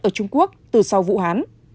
ở trung quốc từ sau vũ hán